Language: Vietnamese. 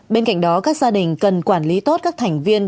bên cạnh đó các gia đình cần quản lý tốt các thành viên